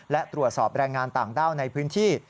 และตรวจสอบแรงงานต่างด้าวในพื้นที่